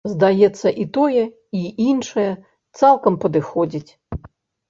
Здаецца, і тое, і іншае цалкам падыходзіць.